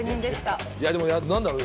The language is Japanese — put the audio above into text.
いやでも何だろう？